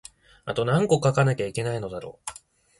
あとなんこ書かなきゃいけないのだろう